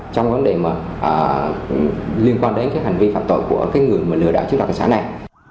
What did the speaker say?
trong vấn đề mà liên quan đến cái hành vi phạm tội của cái người mà lừa đảo chiếm đoạt tài sản này